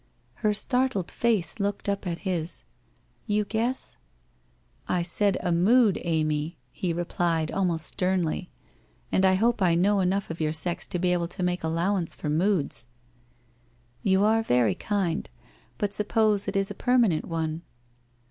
Her startled face looked up at his. ' You guess ?' 1 1 said a mood, Amy,' he replied, almost sternly, ' and I hope I know enough of your sex to be able to make al lowance for moods/ 1 You are very kind. But suppose it is a permanent one?